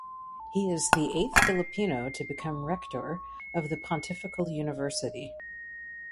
He is the eighth Filipino to become rector of the pontifical university.